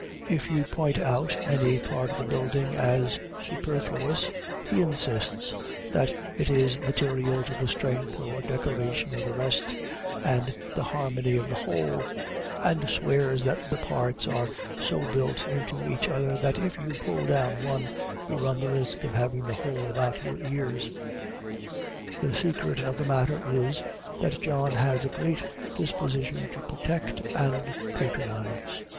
If you point out any part of the building as superfluous, he insists that it is material to the strength or decoration of the rest, and the harmony of the whole; and swears that the parts are so built into each other, that if you pull down one, you run the risk of having the whole about your ears. The secret of the matter is, that John has a great disposition to protect and patronize.